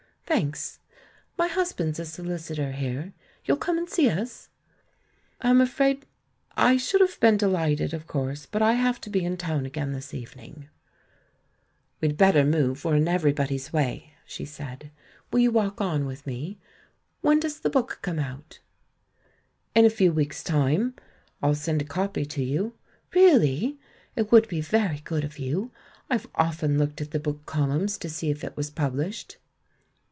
"Thanks. 3Iy husband's a solicitor here, ... You'll come and see us?" "I'm afraid ... I should have been delighted, of course, but I have to be in town again this evening." "We'd better move — we're in everybody's 14* THE MAN WHO UNDERSTOOD WOMEN way," she said. "Will you walk on with me? When does the book come out?" "In a few weeks' time — I'll send a copy to you." "Really? It would be very good of you. I've often looked at the book columns to see if it was published."